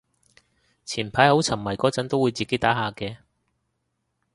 前排好沉迷嗰陣都會自己打下嘅